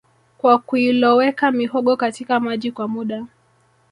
kwa kuiloweka mihogo katika maji kwa muda